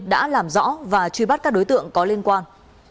đã làm rõ và truy bắt các đối tượng có liên quan